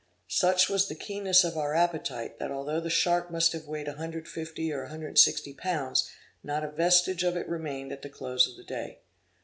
Such was the keenness of our appetite, that although the shark must have weighed 150 or 160 pounds, not a vestige of it remained at the close of the day.